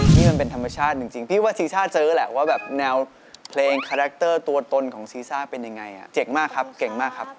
นี่มันเป็นธรรมชาติจริงพี่ว่าซีซ่าเจอแหละว่าแบบแนวเพลงคาแรคเตอร์ตัวตนของซีซ่าเป็นยังไงเจ๋งมากครับเก่งมากครับ